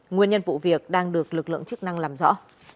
nguyên nhân vụ việc đang được lực lượng chức năng làm rõ